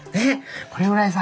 これぐらいさ